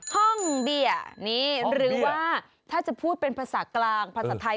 ห้องเบียร์นี่หรือว่าถ้าจะพูดเป็นภาษากลางภาษาไทย